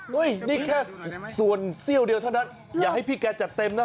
นี่แค่ส่วนเสี้ยวเดียวเท่านั้นอย่าให้พี่แกจัดเต็มนะ